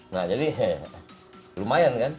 nah jadi lumayan kan